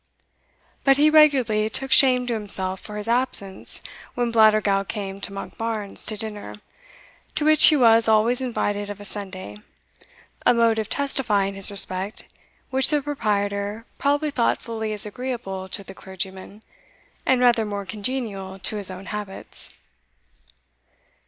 But he regularly took shame to himself for his absence when Blattergowl came to Monkbarns to dinner, to which he was always invited of a Sunday, a mode of testifying his respect which the proprietor probably thought fully as agreeable to the clergyman, and rather more congenial to his own habits.